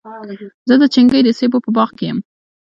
زه د چنګۍ د سېبو په باغ کي یم.